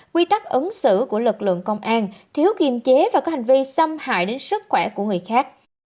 quy tắc ứng xử của lực lượng công an thiếu kiềm chế và có hành vi xâm hại đến sức khỏe của người khác